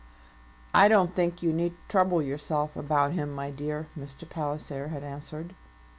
"I don't think you need trouble yourself about him, my dear," Mr. Palliser had answered.